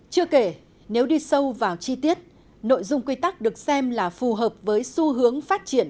chưa kể nếu đi sâu vào chi tiết nội dung quy tắc được xem là phù hợp với xu hướng phát triển